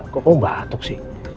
kok kamu batuk sih